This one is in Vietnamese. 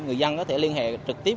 người dân có thể liên hệ trực tiếp